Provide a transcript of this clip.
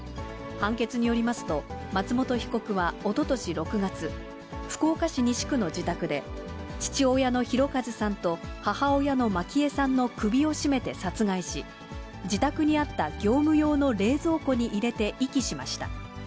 判決によりますと、松本被告はおととし６月、福岡市西区の自宅で、父親の博和さんと母親の満喜枝さんの首を絞めて殺害し、自宅にあった業務用の冷蔵庫に入れて遺棄しました。